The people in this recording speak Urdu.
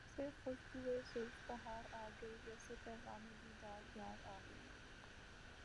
جیسے خوشبوئے زلف بہار آ گئی جیسے پیغام دیدار یار آ گیا